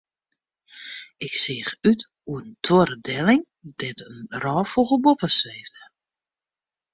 Ik seach út oer in toarre delling dêr't in rôffûgel boppe sweefde.